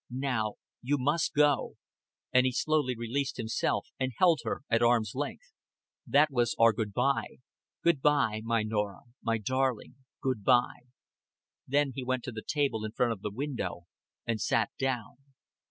"Now, you must go;" and he slowly released himself, and held her at arm's length. "That was our good by. Good by, my Norah my darling good by." Then he went to the table in front of the window, and sat down.